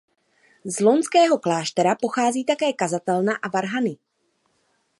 Z lounského kláštera pochází také kazatelna a varhany.